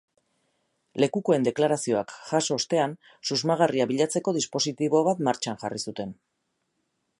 Lekukoen deklarazioak jaso ostean, susmagarria bilatzeko dispositibo bat martxan jarri zuten.